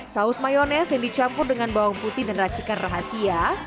saus mayonese yang dicampur dengan bawang putih dan racikan rahasia